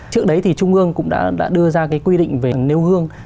trước đấy thì trung ương cũng đã đưa ra cái quy định về nếu hương